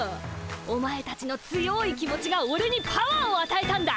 お前たちの強い気持ちがオレにパワーをあたえたんだ。